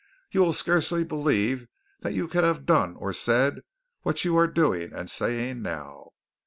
You will scarcely believe that you could have done or said what you are doing and saying now.